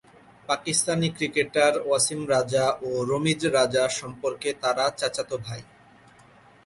Pakistani cricketer Wasim Raja ও রমিজ রাজা সম্পর্কে তার চাচাতো ভাই।